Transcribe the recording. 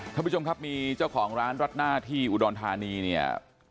ท่านผู้ชมครับมีเจ้าของร้านรัดหน้าที่อุดรธานีเนี่ย